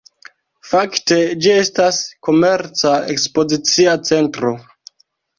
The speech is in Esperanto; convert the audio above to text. Fakte ĝi estas komerca-ekspozicia centro.